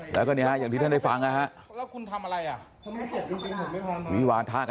แล้วก็เนี่ยฮะอย่างที่ท่านได้ฟังนะฮะ